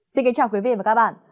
xin kính chào quý vị và các bạn